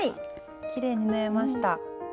きれいに縫えました。